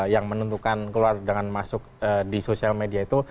yang menentukan keluar dengan masuk di sosial media itu